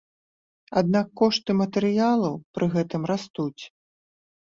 Аднак кошты матэрыялаў пры гэтым растуць.